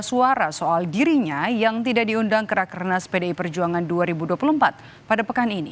suara soal dirinya yang tidak diundang ke rakernas pdi perjuangan dua ribu dua puluh empat pada pekan ini